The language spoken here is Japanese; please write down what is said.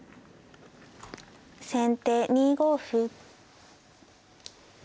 先手２五歩。